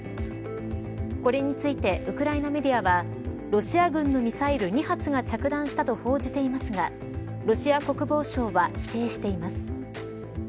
これについてウクライナメディアはロシア軍のミサイル２発が着弾したと報じていますがロシア国防省は否定しています。